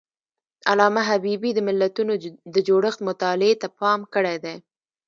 علامه حبيبي د ملتونو د جوړښت مطالعې ته پام کړی دی.